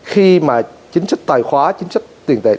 khi mà chính sách tài khoá chính sách tiền tệ